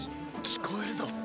聞こえるぞ！